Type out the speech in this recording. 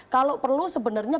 kalau perlu sebenarnya